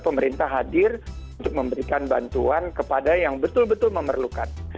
pemerintah hadir untuk memberikan bantuan kepada yang betul betul memerlukan